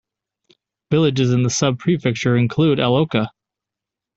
Villages in the sub-prefecture include Eloka.